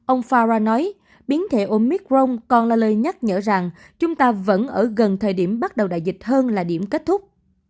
ông fara nói biến thể omicron còn là lời nhắc nhở rằng chúng ta vẫn ở gần thời điểm bắt đầu đại dịch hơn là điểm kết thúc